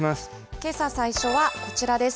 けさ最初はこちらです。